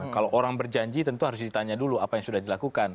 kalau orang berjanji tentu harus ditanya dulu apa yang sudah dilakukan